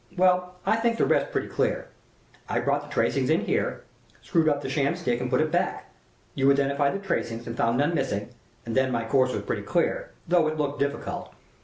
Well, I think the rest pretty clear. I brought the tracings in here, screwed up the sham stick and put it back. You identified the tracings and found none missing, and then my course was pretty clear, though it looked difficult.